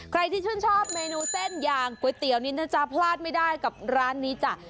ใครที่ชื่นชอบเมนูเส้นอย่างก๋วยเตี๋ยวนี้นะจ๊ะพลาดไม่ได้กับร้านนี้จ้ะ